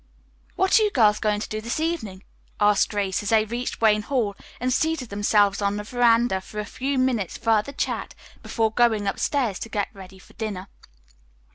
"What are you girls going to do this evening?" asked Grace, as they reached Wayne Hall and seated themselves on the veranda for a few minutes' further chat before going upstairs to get ready for dinner.